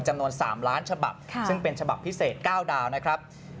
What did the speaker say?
จำนวน๓ล้านฉบับซึ่งเป็นฉบับพิเศษ๙ดาวนะครับ